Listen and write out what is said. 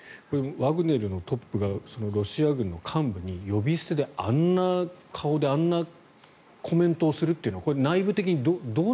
ワグネルのトップがロシア軍の幹部に呼び捨てであんな顔であんなコメントするというのは内部的にどうなって。